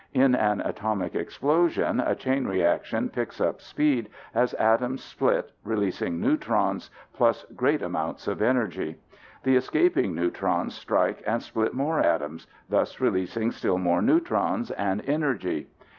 In an atomic explosion, a chain reaction picks up speed as atoms split, releasing neutrons plus great amounts of energy. The escaping neutrons strike and split more atoms, thus releasing still more neutrons and energy.